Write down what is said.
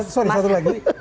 sorry satu lagi